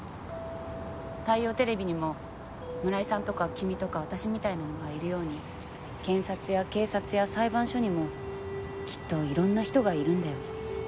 大洋テレビにも村井さんとか君とか私みたいなのがいるように検察や警察や裁判所にもきっといろんな人がいるんだよ。